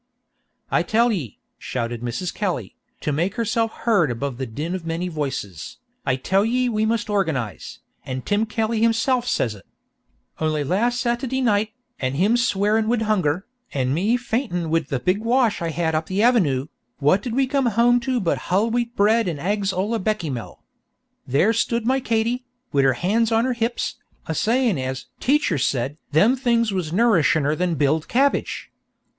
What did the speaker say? "I tell ye," shouted Mrs. Kelly, to make herself heard above the din of many voices, "I tell ye we must organize, an' Tim Kelly himself says it. Only last Satady night, an' him swearin' wid hunger, an' me faintin' wid the big wash I had up the Avenoo, what did we come home to but hull wheat bred an' ags olla Beckymell. There stood my Katy, wid her han's on her hips, a sayin' as 'teacher said' them things was nourishiner than b'iled cabbage.